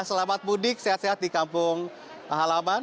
selamat mudik sehat sehat di kampung halaman